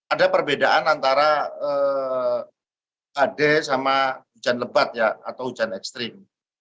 ada perbedaan antara ade sama hujan lebat ya atau hujan ekstrim